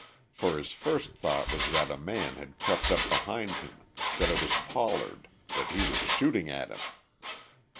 For his first thought was that a man had crept up behind him, that it was Pollard, that he was shooting at him.